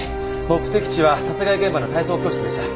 目的地は殺害現場の体操教室でした。